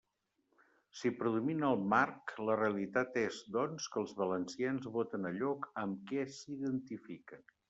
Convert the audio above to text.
Si predomina el marc, la realitat és, doncs, que els valencians voten allò amb què s'identifiquen.